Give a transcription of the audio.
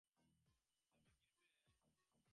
বিধর্মী গৃহে আসিলে গৃহস্বামী প্রায়ই পরে স্নান করিয়া থাকেন।